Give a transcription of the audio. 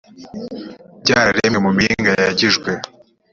byararemwe mu miringa yayagijwe